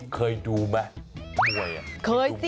เคยดูมั้ยว่ายอื้อเคยสิ